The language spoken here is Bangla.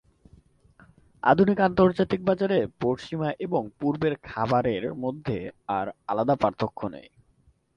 আধুনিক আন্তর্জাতিক বাজারে পশ্চিমা এবং পূর্বের খাবারের মধ্যে আর আলাদা পার্থক্য নেই।